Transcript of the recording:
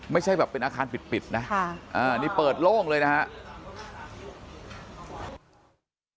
ไม่ใช่แบบเป็นอาคารปิดนะนี่เปิดโล่งเลยนะครับ